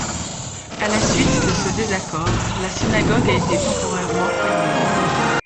À la suite de ce désaccord, la synagogue a été temporairement fermée.